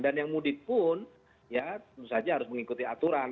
dan yang mudik pun harus mengikuti aturan